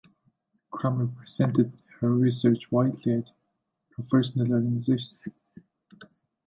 Kramer presented her research widely at professional organizations.